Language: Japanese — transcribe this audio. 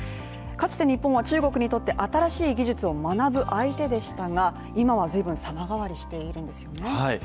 かつて日本は中国にとって新しい技術を学ぶ相手でしたが今は随分、さま変わりしているんですよね。